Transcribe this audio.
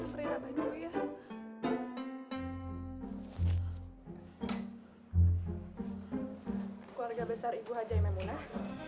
keluarga besar ibu hj maimunah